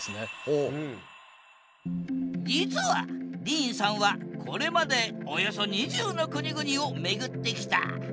実はディーンさんはこれまでおよそ２０の国々をめぐってきた。